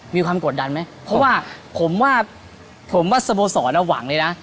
มีความกดดันไหมเพราะว่าผมว่าผมว่าสโมสรหวังเลยนะ